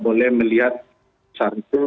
boleh melihat satu